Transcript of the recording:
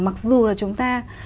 mặc dù là chúng ta